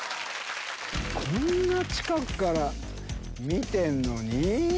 こんな近くから見てんのに。